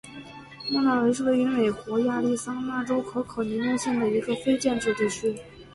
莫纳维是位于美国亚利桑那州可可尼诺县的一个非建制地区。